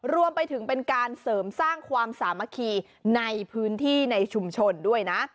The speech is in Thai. รวมไปถึงเป็นการเสริมสร้างความสามัคคีในพื้นที่ในชุมชนด้วยนะ